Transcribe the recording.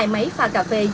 hai máy pha cặp